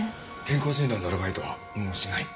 健康診断のアルバイトはもうしない。